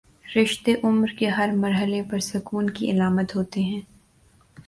رشتے عمر کے ہر مر حلے پر سکون کی علامت ہوتے ہیں۔